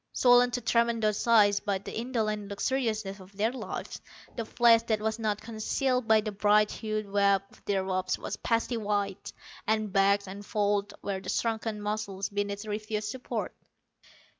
Swollen to tremendous size by the indolent luxuriousness of their lives, the flesh that was not concealed by the bright hued web of their robes was pasty white, and bagged and folded where the shrunken muscles beneath refused support.